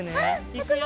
いくよ！